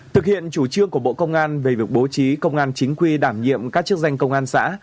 thực hiện chủ trương của bộ công an về việc bố trí công an chính quy đảm nhiệm các chức danh công an xã